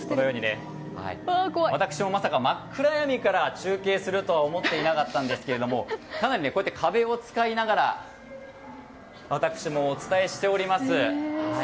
私もまさか真っ暗闇から中継するとは思っていなかったんですがかなり壁を伝いながら私もお伝えしております。